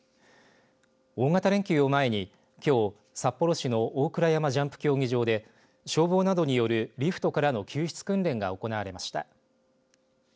大型連休を前にきょう札幌市の大倉山ジャンプ競技場で消防などによるリフトからの救出訓練が行われました。